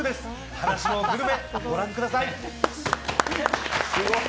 「歯無しのグルメ」ご覧ください。